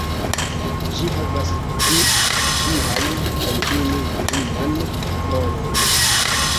Ĝi havas du virajn kaj unu virinan rolojn.